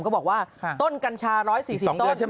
ก็บอกว่าต้นกัญชา๑๔๐ต้น